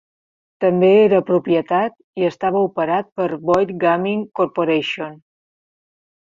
També era propietat i estava operat per Boyd Gaming Corporation.